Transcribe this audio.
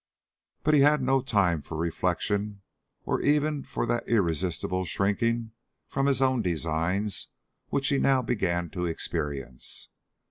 But he had no time for reflection, or even for that irresistible shrinking from his own designs which he now began to experience.